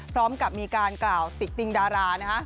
พร้อมกับมีการกล่าวติดติงดารานะฮะ